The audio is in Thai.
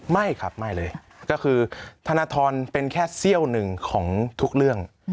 ไม่ครับไม่เลยก็คือธนทรเป็นแค่เสี้ยวหนึ่งของทุกเรื่อง